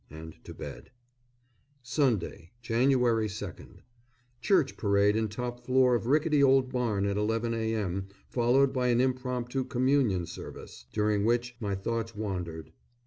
and to bed. Sunday, Jan. 2nd. Church parade in top floor of rickety old barn at 11 a.m., followed by an impromptu Communion Service, during which my thoughts wandered....